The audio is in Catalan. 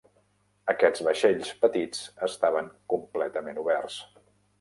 Aquests vaixells petits estaven completament oberts.